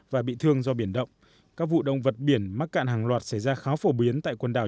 và bị thương do biển động các vụ động vật biển mắc cạn hàng loạt xảy ra khá phổ biến tại quần đảo